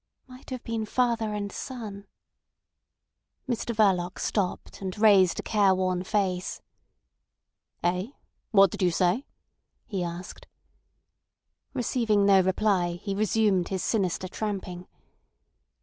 "Might have been father and son." Mr Verloc stopped, and raised a care worn face. "Eh? What did you say?" he asked. Receiving no reply, he resumed his sinister tramping.